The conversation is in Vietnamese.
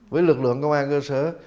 với lực lượng công an cơ sở